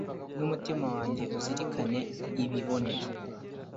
n’umutima wanjye uzirikane ibiboneye